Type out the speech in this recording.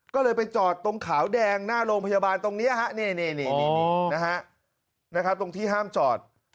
ก็เลยไปจอดตรงขาวแดงหน้าโรงพยาบาลตรงนี้ตรงที่ห้ามจอด